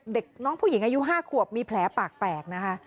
เด็กน้องผู้หญิงอายุ๕ขวบมีแผลปากแตกนะคะ